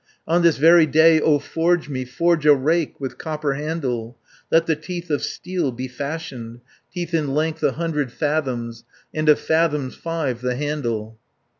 On this very day O forge me, 200 Forge a rake with copper handle, Let the teeth of steel be fashioned, Teeth in length a hundred fathoms, And of fathoms five the handle."